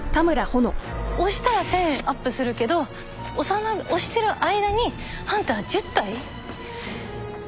押したら１，０００円アップするけど押してる間にハンター１０体？